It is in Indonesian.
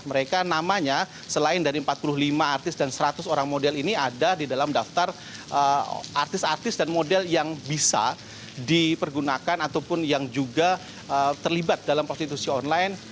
mereka namanya selain dari empat puluh lima artis dan seratus orang model ini ada di dalam daftar artis artis dan model yang bisa dipergunakan ataupun yang juga terlibat dalam prostitusi online